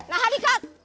nahan di cut